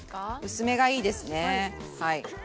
薄めがいいですねはい。